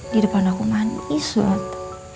di depan aku manis banget